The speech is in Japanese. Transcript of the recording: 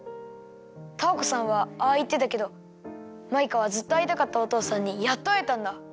タアコさんはああいってたけどマイカはずっとあいたかったおとうさんにやっとあえたんだ。